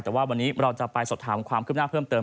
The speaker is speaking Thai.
แต่ว่าวันนี้เราจะไปสอบถามความคืบหน้าเพิ่มเติม